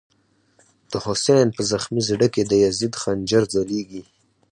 دحسین” په زخمی زړه کی، دیزید خنجر ځلیږی”